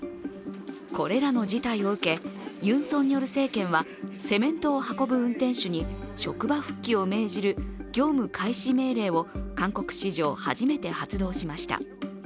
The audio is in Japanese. これらに事態を受け、ユン・ソンニョル政権はセメントを運ぶ運転手に職場復帰を命じる業務開始命令を韓国史上初めて発動しました。